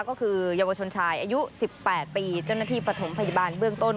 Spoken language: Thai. ก็คือเยาวชนชายอายุ๑๘ปีเจ้าหน้าที่ประถมพยาบาลเบื้องต้น